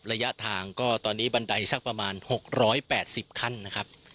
ระยะทางก็ตอนนี้บันไดสักประมาณ๖๘๐ขั้นนะครับ